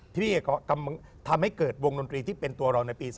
พี่เอกก็ทำให้เกิดวงดนตรีที่เป็นตัวเราในปี๒๕